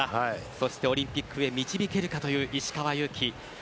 そしてオリンピックに導けるかという石川祐希。